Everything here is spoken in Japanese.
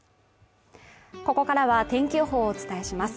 ここからは天気予報をお伝えします